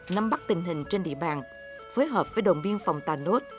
nắm bắt tình hình trên địa bàn phối hợp với đồng biên phòng tàn nốt